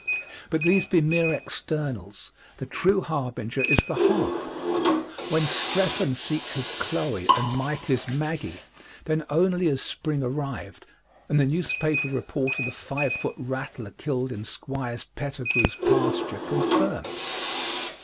But these be mere externals. The true harbinger is the heart. When Strephon seeks his Chloe and Mike his Maggie, then only is Spring arrived and the newspaper report of the five foot rattler killed in Squire Pettregrew's pasture confirmed.